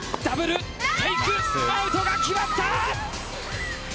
ダブルテイクアウトが決まった！